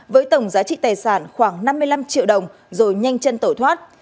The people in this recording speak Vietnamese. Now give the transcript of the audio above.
với tổng giá trị tài sản khoảng năm mươi năm triệu đồng rồi nhanh chân tẩu thoát